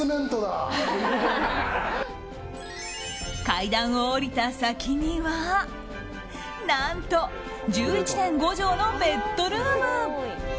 階段を下りた先には何と１１．５畳のベッドルーム。